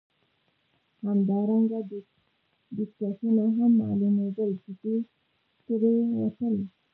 همدارنګه دودکشونه هم معلومېدل، چې دود ترې وتل.